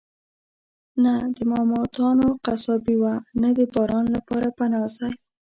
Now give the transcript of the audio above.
نه د ماموتانو قصابي وه، نه د باران لپاره پناه ځای.